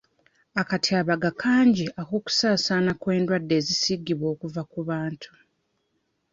Akatyabaga kangi ak'okusaasaana kw'endwadde ezisiigibwa okuva ku bantu.